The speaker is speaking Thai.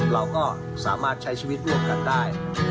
เราก็สามารถใช้ชีวิตร่วมกันได้